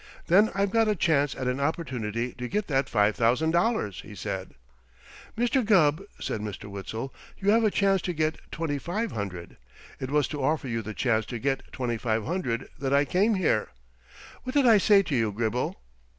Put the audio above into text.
"Then I've got a chance at an opportunity to get that five thousand dollars," he said. "Mr. Gubb," said Mr. Witzel, "you have a chance to get twenty five hundred. It was to offer you the chance to get twenty five hundred that I came here. What did I say to you, Gribble?"